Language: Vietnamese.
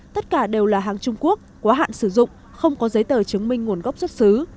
tất cả đều là hàng trung quốc quá hạn sử dụng không có giấy tờ chứng minh nguồn gốc xuất xứ